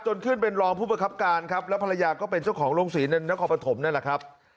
จนขึ้นเป็นรองผู้ประคับการครับและภรรยาก็เป็นเจ้าของโรงศึกษ์ในนักขอบพันธมนั่นแหละครับ